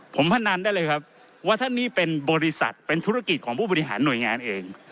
ผมพนันได้เลยครับว่าท่านนี่เป็นบริษัทเป็นธุรกิจของผู้บริหารหน่วยงานเอง